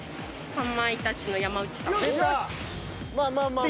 かまいたちの山内さん。